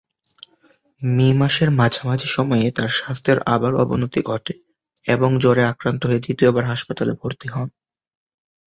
মে মাসের মাঝামাঝি সময়ে তার স্বাস্থ্যের আবার অবনতি ঘটে এবং জ্বরে আক্রান্ত হয়ে দ্বিতীয়বার হাসপাতালে ভর্তি হন।